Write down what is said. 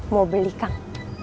mau beli kang